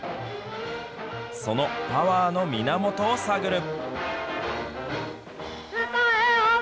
そのパワーの源を探る。